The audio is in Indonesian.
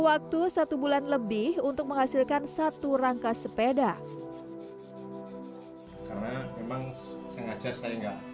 waktu satu bulan lebih untuk menghasilkan satu rangka sepeda karena memang sengaja saya enggak